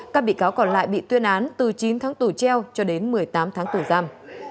các bị cáo còn lại bị tuyên án từ chín tháng tù treo cho đến một mươi tám tháng tù giam